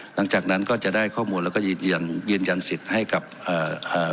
หลังจากนั้นก็จะได้ข้อมูลแล้วก็ยืนยันยืนยันสิทธิ์ให้กับอ่า